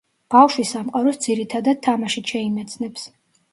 ბავშვი სამყაროს, ძირითადად, თამაშით შეიმეცნებს.